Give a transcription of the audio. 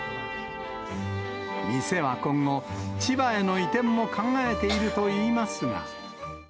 店は今後、千葉への移転も考えているといいますが。